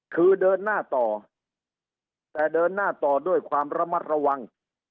คือเดินหน้าต่อแต่เดินหน้าต่อด้วยความระมัดระวัง